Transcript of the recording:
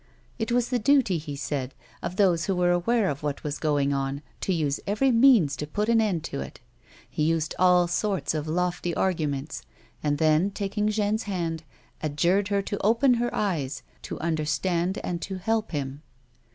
It was the duty, he said, of those who were aware of what was going on, to use every means to put an end to it. He used all sorts of lofty arguments, and then, taking Jeanne's hand, adjured her to open her eyes, to under stand and to help him.